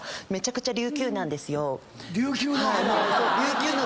琉球の！